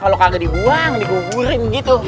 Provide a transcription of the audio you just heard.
kalau kagak dibuang digugurin gitu